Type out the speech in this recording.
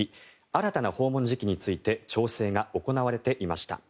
新たな訪問時期について調整が行われていました。